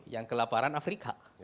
yang kelaparan afrika